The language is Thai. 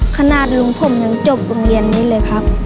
ขนาดลุงผมยังจบโรงเรียนนี้เลยครับ